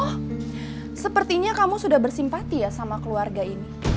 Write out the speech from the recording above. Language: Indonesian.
oh sepertinya kamu sudah bersimpati ya sama keluarga ini